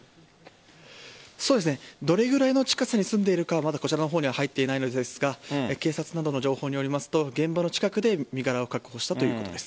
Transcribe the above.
どれくらいの近さに住んでいるかはこちらの方には入っていませんが警察などの情報によりますと現場の近くで身柄を確保したということです。